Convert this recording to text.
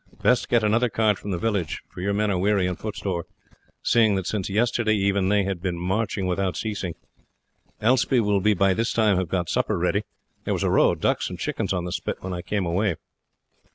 Best get another cart from the village, for your men are weary and footsore, seeing that since yesterday even they have been marching without ceasing. Elspie will by this time have got supper ready. There was a row of ducks and chickens on the spit when I came away."